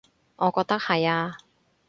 我覺得係呀